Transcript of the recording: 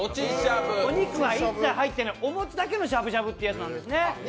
お肉は一切入ってない、お餅だけのしゃぶしゃぶというやつなんですね